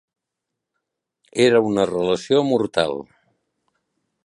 Era una relació mortal.